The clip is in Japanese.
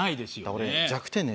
俺弱点ね